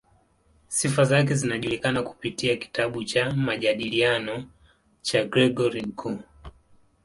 Sifa zake zinajulikana kupitia kitabu cha "Majadiliano" cha Gregori Mkuu.